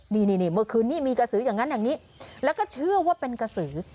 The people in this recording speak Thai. นี่เมื่อคืนนี้มีกระสืออย่างนั้นอย่างนี้แล้วก็เชื่อว่าเป็นกระสือ